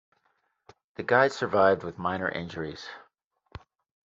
The guide survived with minor injuries.